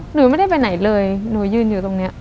หนูไม่ได้ไปไหนเลยหนูยืนอยู่ตรงนี้